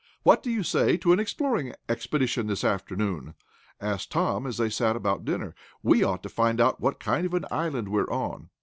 "What do you say to an exploring expedition this afternoon?" asked Tom, as they sat about after dinner. "We ought to find out what kind of an island we're on."